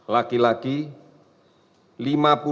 laki laki empat puluh tujuh tahun